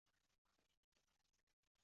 在港时就读于圣保罗男女小学及中学。